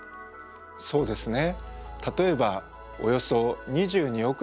そうですね。